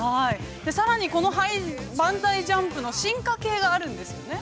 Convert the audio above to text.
◆さらにこのバンザイジャンプの進化系があるんですよね。